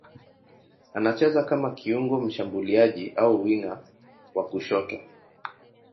Anacheza kama kiungo mshambuliaji au winga wa kushoto.